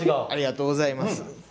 ありがとうございます。